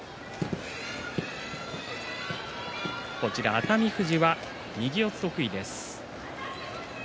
熱海富士は右四つ得意です。